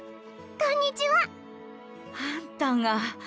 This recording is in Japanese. こんにちはあんたが。